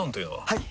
はい！